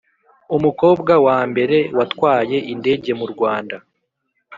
Umukobwa wambere watwaye indege murwanda